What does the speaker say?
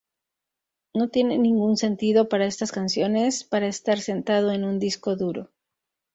No tiene ningún sentido para estas canciones para estar sentado en un disco duro.